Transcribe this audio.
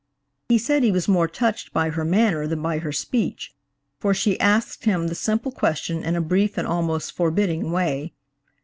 He said he was more touched by her manner than by her speech, for she asked him the simple question in a brief and almost forbidding way.